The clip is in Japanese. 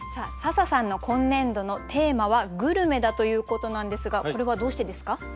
笹さんの今年度のテーマは「グルメ」だということなんですがこれはどうしてですか？